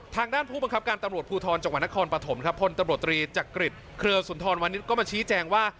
ทางด้านผู้บังคับการตำรวจภูทรจังหวัดนครปฐมครับพลตำรวจตรีจักริจเครือสุนทรวันนี้ก็มาชี้แจงว่า